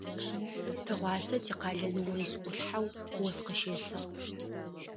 Тыгъуасэ тикъалэ ныожъ Ӏулъхьэу ос къыщесыгъ.